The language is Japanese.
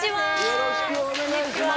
よろしくお願いします